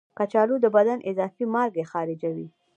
کچالو د بدن اضافي مالګې خارجوي.